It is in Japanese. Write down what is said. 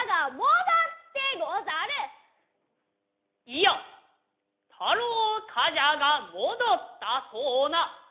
イヤ太郎冠者が戻ったそうな。